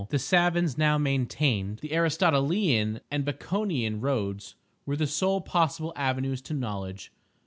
The savans now maintained the Aristotelian and Baconian roads were the sole possible avenues to knowledge.